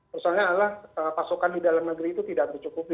persoalannya adalah pasokan di dalam negeri itu tidak tercukupi